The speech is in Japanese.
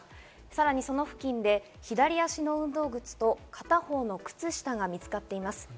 さらにその付近で左足の運動靴と片方の靴下が見つかっています。